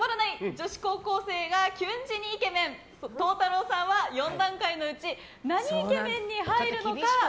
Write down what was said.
女子高校生がキュン死にイケメン柊太朗さんは４段階のうち何イケメンに入るのか。